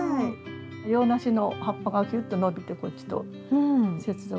洋梨の葉っぱがひゅっと伸びてこっちと接続して。